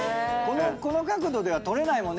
この角度では撮れないもんね。